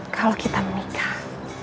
kalau kita menikah